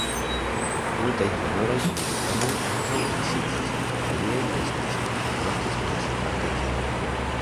Multaj honoraj komitatanoj ankaŭ eksiĝis, aliaj restis, sed mortis en la sekvantaj jaroj.